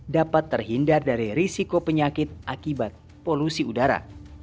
dapat terhindar dari risiko penyakit akibat polusi udara